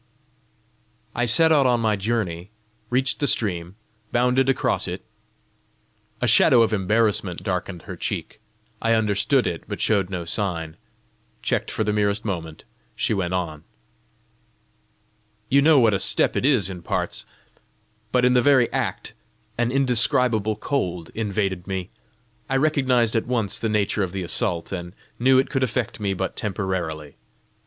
"I set out on my journey, reached the stream, bounded across it, " A shadow of embarrassment darkened her cheek: I understood it, but showed no sign. Checked for the merest moment, she went on: " you know what a step it is in parts! But in the very act, an indescribable cold invaded me. I recognised at once the nature of the assault, and knew it could affect me but temporarily.